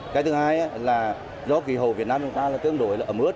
cái thứ hai là do kỳ hầu việt nam chúng ta là tương đối ấm ướt